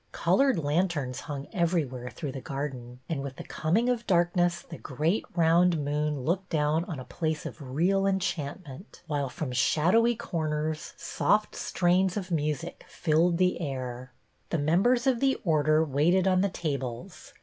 Colored lanterns hung everywhere through the garden, and with the coming of darkness the great round moon looked down on a place of real enchantment, while from shadowy corners soft strains of music filled the air. The members of the Order waited on the tables.